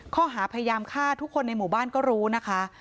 ข้อหาพยายามฆ่าทุกคนในหมู่บ้านก็รู้นะคะ